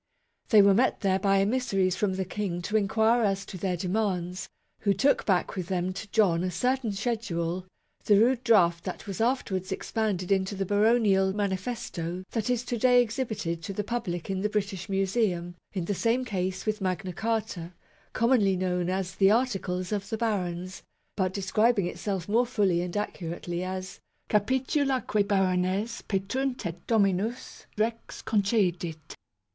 They were met there by emissaries from the King to inquire as to their demands ; who took back with them to John a certain schedule the rude draft that was afterwards expanded into the baronial manifesto that is to day exhibited to the public in the British Museum in the same case with Magna Carta, commonly known as the "Articles of the Barons," but describing itself more fully and accurately as " Capitula quae barones petunt et dominus rex concedit